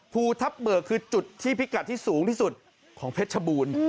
ภูทับเบิกคือจุดที่พิกัดที่สูงที่สุดของเพชรชบูรณ์